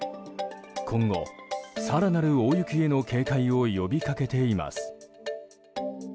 今後、更なる大雪への警戒を呼びかけています。